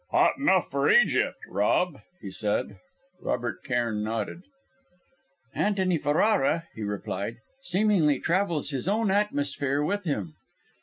"Hot enough for Egypt, Rob," he said. Robert Cairn nodded. "Antony Ferrara," he replied, "seemingly travels his own atmosphere with him.